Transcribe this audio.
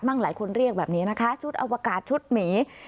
บ้างหลายคนเรียกแบบนี้ชุดอวกาศชุดหมี